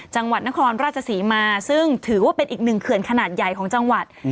จังหวัดนครราชศรีมาซึ่งถือว่าเป็นอีกหนึ่งเขื่อนขนาดใหญ่ของจังหวัด